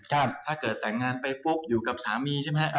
ถ้าเกิดแต่งงานไปปุ๊บอยู่กับสามีใช่ไหมครับ